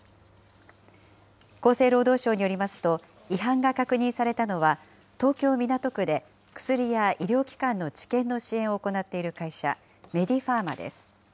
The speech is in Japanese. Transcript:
厚生労働省によりますと、違反が確認されたのは、東京・港区で薬や医療機関の治験の支援を行っている会社、メディファーマです。